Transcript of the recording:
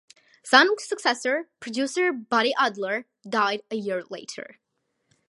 Zanuck's successor, producer Buddy Adler, died a year later.